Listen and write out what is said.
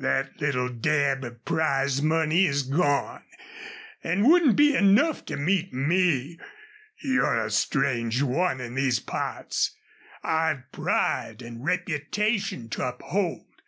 Thet little dab of prize money is gone, an' wouldn't be enough to meet me. You're a strange one in these parts. I've pride an' reputation to uphold.